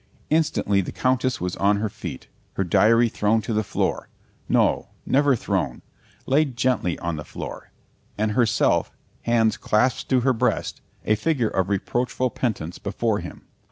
Instantly the Countess was on her feet, her diary thrown to the floor no, never thrown laid gently on the floor, and herself, hands clasped at her breast, a figure of reproachful penitence before him.